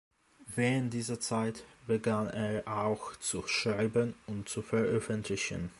Während dieser Zeit begann er auch zu schreiben und zu veröffentlichen.